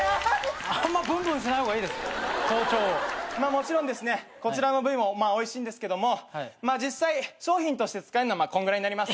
もちろんですねこちらの部位もおいしいんですけどもまあ実際商品として使えるのはこんぐらいになります。